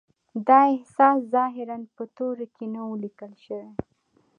دا احساس ظاهراً په تورو کې نه و لیکل شوی